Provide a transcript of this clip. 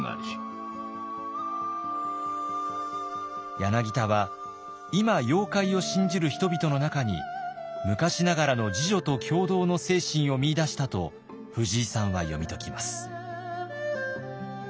柳田は今妖怪を信じる人々の中に昔ながらの「自助」と「協同」の精神を見いだしたと藤井さんは読み解きます。